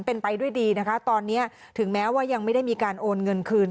เป็นไปด้วยดีนะคะตอนนี้ถึงแม้ว่ายังไม่ได้มีการโอนเงินคืน